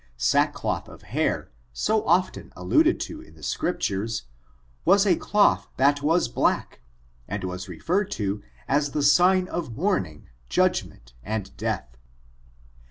Sackcloth of hair, so often alluded to in the Scriptures, was a cloth that was black, and was referred to as the sign of mourning, judgment, and death.